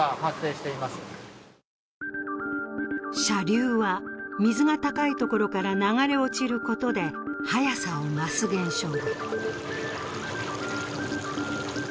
射流は、水が高いところから流れ落ちることで速さを増す現象だ。